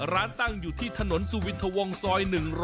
ร้านตั้งอยู่ที่ถนนสุวิทวงซอย๑๐